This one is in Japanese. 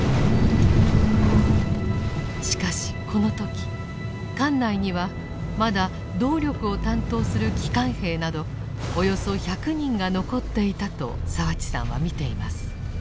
しかしこの時艦内にはまだ動力を担当する機関兵などおよそ１００人が残っていたと澤地さんは見ています。